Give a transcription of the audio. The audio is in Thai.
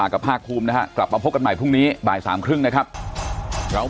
ครบพระคุณคุณหมอชุระนานครับ